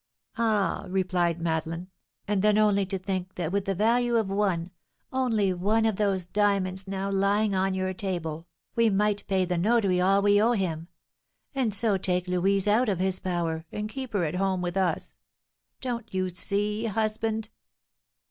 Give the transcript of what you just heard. "Ah," replied Madeleine, "and then only to think that with the value of one, only one of those diamonds now lying on your table, we might pay the notary all we owe him, and so take Louise out of his power and keep her at home with us. Don't you see, husband?"